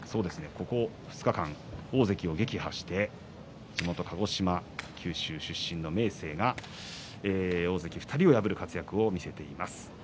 ここ２日間、大関を撃破して地元鹿児島、九州出身の明生が大関２人を破る活躍を見せています。